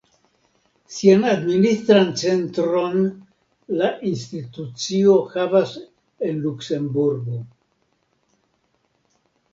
Sian administran centron la institucio havas en Luksemburgo.